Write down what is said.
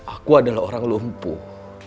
aku adalah orang lumpuh